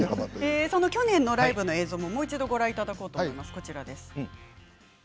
去年のライブの映像をもう一度ご覧いただきます。